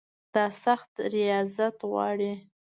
دا سخت ریاضت غواړي.